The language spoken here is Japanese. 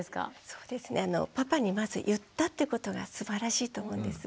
そうですねパパにまず言ったってことがすばらしいと思うんです。